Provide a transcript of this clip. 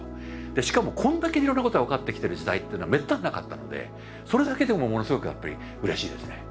しかもこんだけいろんなことが分かってきてる時代っていうのはめったになかったのでそれだけでもものすごくやっぱりうれしいですね。